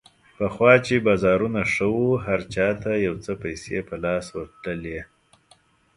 پخوا چې بازارونه ښه وو، هر چا ته یو څه پیسې په لاس ورتللې.